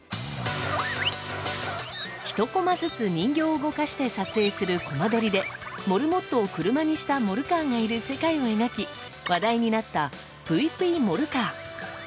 一コマずつ人形を動かして撮影するモルモットを車にしたモルカーがいる世界を描き話題になった「ＰＵＩＰＵＩモルカー」。